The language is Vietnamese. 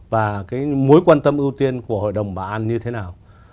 và cái mối quan tâm ưu tiên của hội đồng bảo an như thế nào